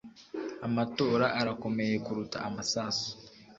Amatora arakomeye kuruta amasasu